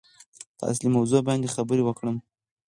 په اصلي موضوع باندې خبرې وکړم.